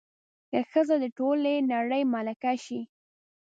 که ښځه د ټولې نړۍ ملکه شي